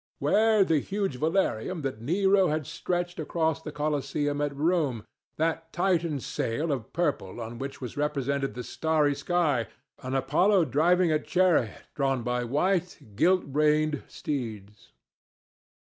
Where the huge velarium that Nero had stretched across the Colosseum at Rome, that Titan sail of purple on which was represented the starry sky, and Apollo driving a chariot drawn by white, gilt reined steeds?